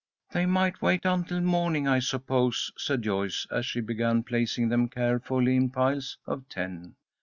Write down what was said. "They might wait until morning, I suppose," said Joyce, as she began placing them carefully in piles of ten.